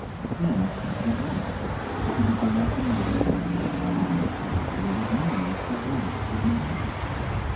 Then it was that he began to notice for the first time what a noise the rats were making.